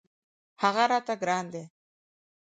هغه راته ګران دی.